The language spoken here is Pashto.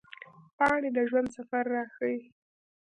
پاڼې د ژوند سفر راښيي